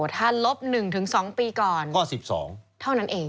ถ้าลบ๑๒ปีก่อนข้อ๑๒เท่านั้นเอง